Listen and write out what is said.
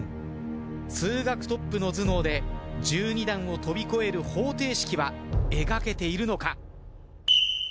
数学トップの頭脳で１２段を跳び越える方程式は描けているのか？